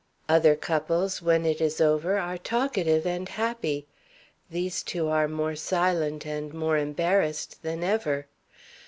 Other couples, when it is over, are talkative and happy. These two are more silent and more embarrassed than ever.